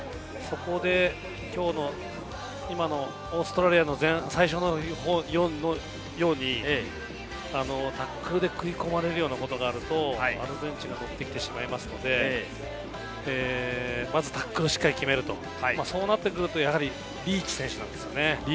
アルゼンチン、非常に突破力、個々の突破力が強力なのでそこで今のオーストラリアの最初のようにタックルで食い込まれるようなことがあると、アルゼンチンがノッてきてしまいますので、まずタックルをしっかり決めると、そうなってくると、やはりリーチ選手なんですよね。